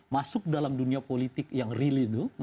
masuk dalam dunia politik yang real itu